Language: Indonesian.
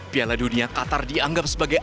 piala dunia qatar dianggap sebagai